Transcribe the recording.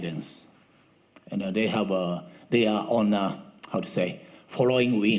mereka mencoba menang dari enam satu dan menang empat gol